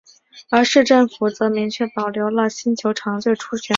而市政府则明确保留了新球场的最初选址。